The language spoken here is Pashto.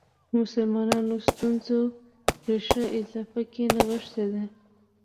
مسلمانانو ستونزو ریښه اضافات کې نغښې ده.